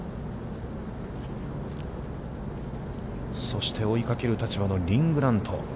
そして、追いかける立場のリン・グラント。